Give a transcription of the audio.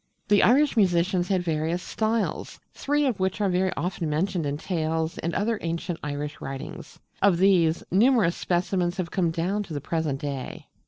The Irish musicians had various 'Styles,' three of which are very often mentioned in tales and other ancient Irish writings: of these, numerous specimens have come down to the present day.